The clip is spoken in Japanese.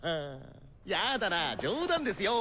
やだなぁ冗談ですよ。